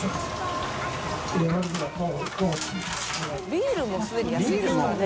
ビールもすでに安いですからね。